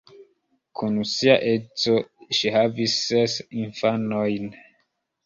Kun sia edzo ŝi havis ses infanojn.